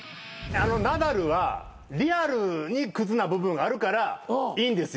ナダルはリアルにクズな部分あるからいいんですよ。